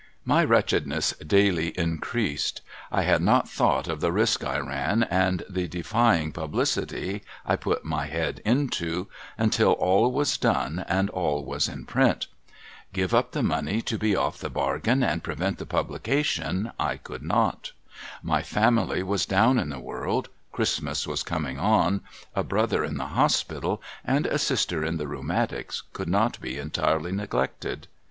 My wretchedness daily increased. I had not thought of the risk I ran, and the defying publicity I put my head into, until all was done, and all was in print. Give up the money to be off the bargain and prevent the publication, I could not. My family was down in the world, Christmas was coming on, a brother in the hospital and a sister in the rheumatics could not be entirely neglected.